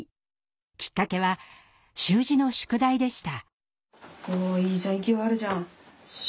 きっかけは習字の宿題でした。